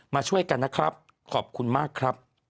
มาช่วยกันนะครับขอบคุณมากครับ